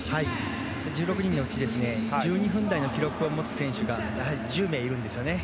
１６人のうち１２分台の記録を持つ選手が１０名いるんですよね。